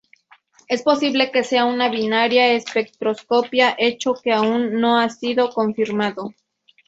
Es posible que sea una binaria espectroscópica, hecho que aún no ha sido confirmado.